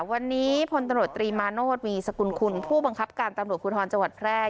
วันนี้พลตำรวจตรีมาโนธวีสกุลคุณผู้บังคับการตำรวจภูทรจังหวัดแพร่